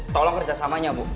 tolong kerjasamanya bu